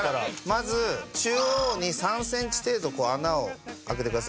まず中央に３センチ程度こう穴を開けてください